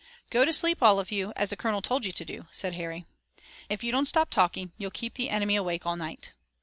"Go to sleep, all of you, as the colonel told you to do," said Harry. "If you don't stop talking you'll keep the enemy awake all night."